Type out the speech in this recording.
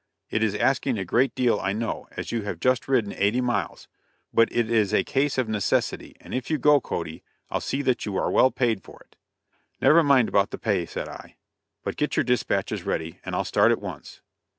It is asking a great deal, I know, as you have just ridden eighty miles; but it is a case of necessity, and if you'll go, Cody, I'll see that you are well paid for it." "Never mind about the pay," said I, "but get your dispatches ready, and I'll start at once."